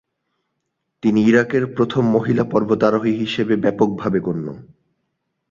তিনি ইরাকের প্রথম মহিলা পর্বতারোহী হিসেবে ব্যাপকভাবে গণ্য।